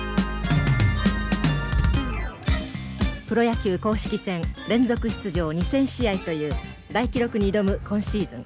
プロ野球公式戦連続出場２，０００試合という大記録に挑む今シーズン。